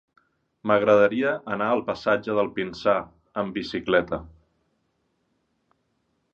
M'agradaria anar al passatge del Pinsà amb bicicleta.